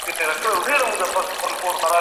اقتصادي ملاتړ یو انساني عمل دی.